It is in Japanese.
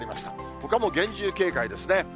ほかも厳重警戒ですね。